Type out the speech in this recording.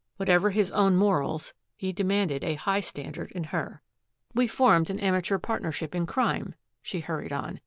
Whatever his own morals, he demanded a high standard in her. "We formed an amateur partnership in crime," she hurried on.